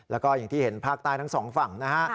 แล้วก็อย่างที่เห็นภาคใต้ทั้งสองฝั่งนะฮะ